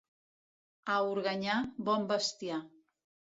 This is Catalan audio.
A Organyà, bon bestiar.